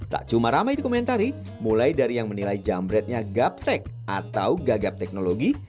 tak cuma ramai dikomentari mulai dari yang menilai jambretnya gaptek atau gagap teknologi